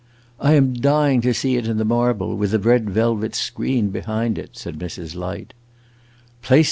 "I am dying to see it in the marble, with a red velvet screen behind it," said Mrs. Light.